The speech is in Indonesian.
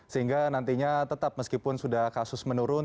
sehingga nantinya tetap meskipun sudah kasus menurun